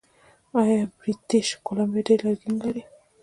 آیا بریټیش کولمبیا ډیر لرګي نلري؟